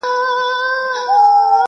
o لېوه هغه مېږه خوري چي د رمې څخه جلا وي٫